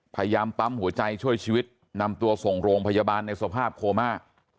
พยายามปั๊มหัวใจช่วยชีวิตนำตัวส่งโรงพยาบาลในสภาพโคม่า